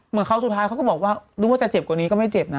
ครั้งสุดท้ายเขาก็บอกว่านึกว่าจะเจ็บกว่านี้ก็ไม่เจ็บนะ